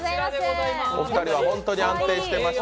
お二人は本当に安定していました。